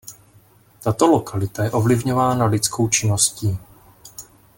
Tato lokalita je ovlivňována lidskou činností.